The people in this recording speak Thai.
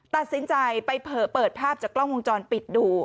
ตัดสินใจไปเผลอเปิดภาพจากกล้องวงจรปิดดู